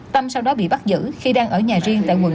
tâm sau đó bị bắt giữ khi đang ở nhà riêng tại quận một